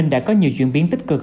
đã có nhiều chuyển biến tích cực